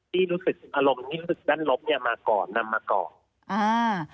ที่อารมณ์นี้รู้สึกด้านลบมาก่อนนำมาก่อน